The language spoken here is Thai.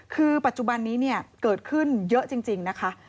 คือปัจจุบันนี้เนี่ยเกิดขึ้นเยอะจริงนะคะ